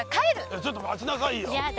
ちょっと待ちなさいよ！